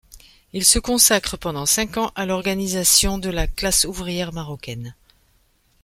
Il se consacre pendant cinq ans à l’organisation de la classe ouvrière marocaine.